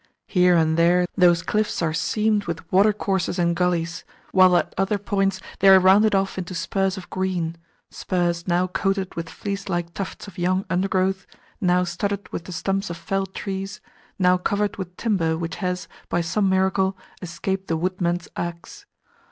Here and there those cliffs are seamed with water courses and gullies, while at other points they are rounded off into spurs of green spurs now coated with fleece like tufts of young undergrowth, now studded with the stumps of felled trees, now covered with timber which has, by some miracle, escaped the woodman's axe.